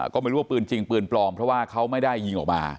ก็ไม่รู้ว่าปืนจริงปืนปลอมเพราะว่าเขาไม่ได้ยิงออกมา